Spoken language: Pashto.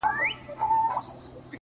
زما د زړه گلونه ساه واخلي،